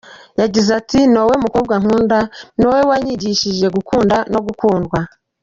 Yagize ati “Ni wowe mukobwa nkunda, ni wowe wanyigishije gukunda no gukundwa.